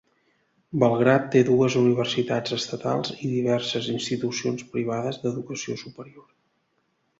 Belgrad té dues universitats estatals i diverses institucions privades d'educació superior.